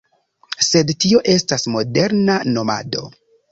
Sed tio estas moderna nomado.